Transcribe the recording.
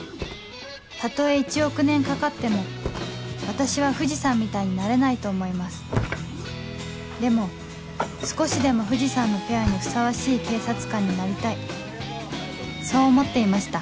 たとえ１億年かかっても私は藤さんみたいになれないと思いますでも少しでも藤さんのペアにふさわしい警察官になりたいそう思っていました